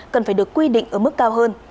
cần phải được quy định ở mức cao hơn